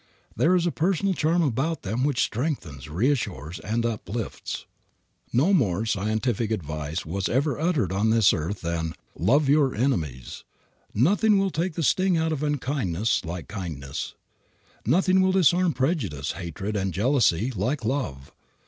There is a personal charm about them which strengthens, reassures, and uplifts. No more scientific advice was ever uttered on this earth than "Love your enemies." Nothing will take the sting out of unkindness like kindness; nothing will disarm prejudice, hatred, and jealousy like love.